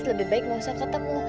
lebih baik nggak usah ketemu